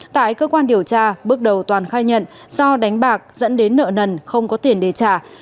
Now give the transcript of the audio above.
tại cơ quan điều tra bước đầu toàn khai nhận do đánh bạc dẫn đến nợ nần không có tiền để trả